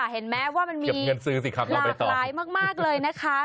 เห็นไหมว่ามันมีหลากหลายมากเลยนะคะ